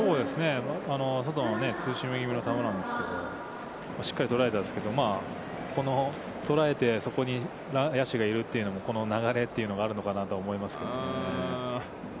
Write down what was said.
外のツーシームぎみの球なんですけど、しっかり捉えたんですけど、この捉えて、そこに野手がいるというのも、この流れというのがあるというか、そう思いましたけどね。